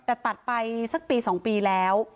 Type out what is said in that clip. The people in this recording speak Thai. แต่ตัดไปสักปี๒ปีแล้ว